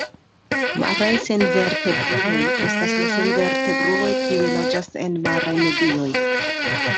Maraj senvertebruloj estas la senvertebruloj kiuj loĝas en maraj medioj.